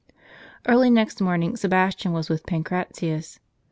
Early next morning Sebastian was with Pancratius.